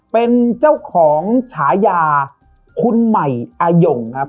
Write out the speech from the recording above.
เป็นเจ้าของฉายาคุณใหม่อายงครับ